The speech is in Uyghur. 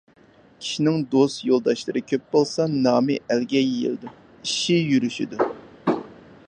كىشىنىڭ دوست يولداشلىرى كۆپ بولسا، نامى ئەلگە يېيىلىدۇ، ئىشى يۈرۈشىدۇ.